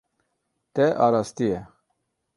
Te arastiye.